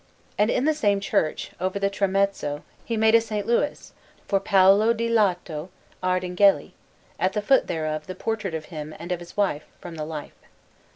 And in the same church, over the tramezzo, he made a S. Louis for Paolo di Lotto Ardinghelli, and at the foot thereof the portrait of him and of his wife, from the life.